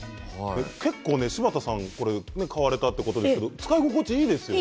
柴田さん買われたということですが使い心地いいですよね。